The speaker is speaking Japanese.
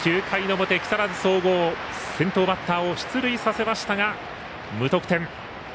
９回の表、木更津総合先頭バッターを出塁させましたが無得点。